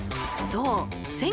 そう！